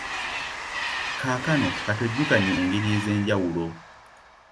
Kaakano ka twekeneenye engeri ez’enjawulo